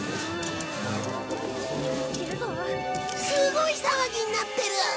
すごい騒ぎになってる。